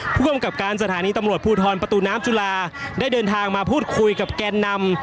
ผู้ทำกรการสถานีตำรวจพผปน้ำจุลาลเลยได้เดินทางมาพูดคุยกับแก่นนำ